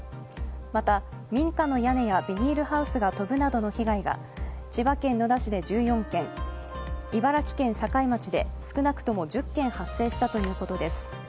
また、民家の屋根やビニールハウスが飛ぶなどの被害が千葉県野田市で１４件茨城県境町で少なくとも１０件発生したということです。